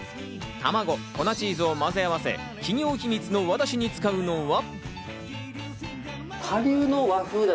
卵、粉チーズをまぜ合わせ、企業秘密の和だしに使うのは。